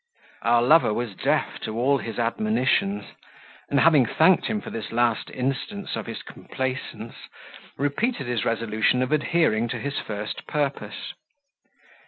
Our lover was deaf to all his admonitions, and, having thanked him for this last instance of his complaisance, repeated his resolution of adhering to his first purpose.